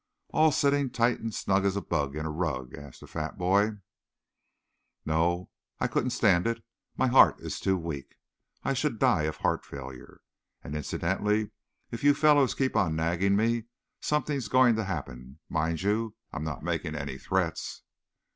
"All sitting tight and snug as a bug in a rug?" asked the fat boy. "No, I couldn't stand it. My heart is too weak. I should die of heart failure. And, incidentally, if you fellows keep on nagging me, something's going to happen. Mind you, I am not making any threats."